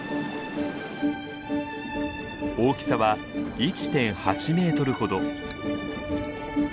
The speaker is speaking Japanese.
大きさは１．８メートルほど。